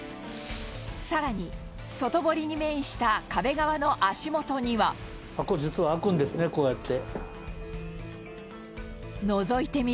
更に、外堀に面した壁側の足元には北川さん：これ、実は開くんですね、こうやって。